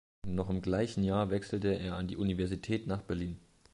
Noch im gleichen Jahr wechselte er an die Universität nach Berlin.